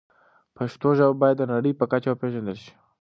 پښتو ژبه باید د نړۍ په کچه وپیژندل شي.